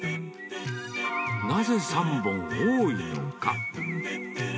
なぜ３本多いのか。